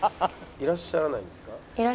いらっしゃらないんですか？